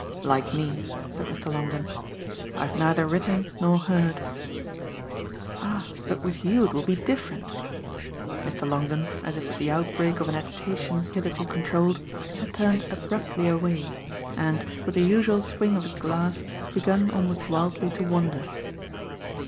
"Like me," said Mr. Longdon. "I've neither written nor heard." "Ah but with you it will be different." Mr. Longdon, as if with the outbreak of an agitation hitherto controlled, had turned abruptly away and, with the usual swing of his glass, begun almost wildly to wander.